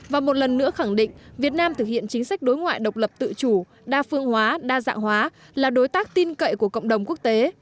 và một lần nữa khẳng định việt nam thực hiện chính sách đối ngoại độc lập tự chủ đa phương hóa đa dạng hóa là đối tác tin cậy của cộng đồng quốc tế